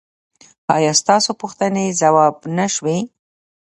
ایا ستاسو پوښتنې ځواب نه شوې؟